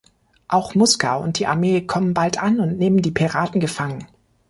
Auch Musca und die Armee kommen bald an und nehmen die Piraten gefangen.